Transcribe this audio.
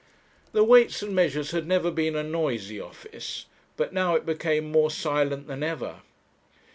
The Weights and Measures had never been a noisy office; but now it became more silent than ever.